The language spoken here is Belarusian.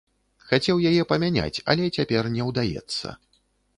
Хацеў яе памяняць, але цяпер не ўдаецца.